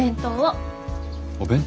お弁当？